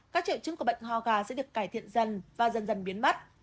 các triệu chứng của bệnh ho gà sẽ được cải thiện dần và dần dần biến mất